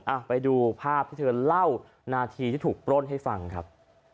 อ่ะไปดูภาพที่เธอเล่านาทีที่ถูกปล้นให้ฟังครับ